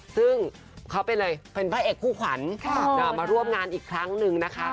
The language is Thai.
ซึ่งเขาเป็นพระเอกคู่ขวัญมาร่วมงานอีกครั้งหนึ่งนะคะ